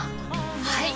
はい！